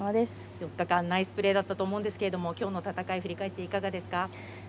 ４日間ナイスプレーだったと思うんですけれども、きょうの戦いを振り返って、いかがですか。